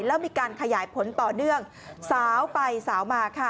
แล้วมีการขยายผลต่อเนื่องสาวไปสาวมาค่ะ